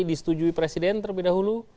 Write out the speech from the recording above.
distujui presiden terlebih dahulu